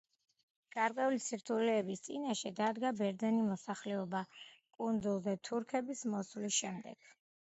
გარკვეული სირთულეების წინაშე დადგა ბერძენი მოსახლეობა კუნძულზე თურქების მოსვლის შემდეგ.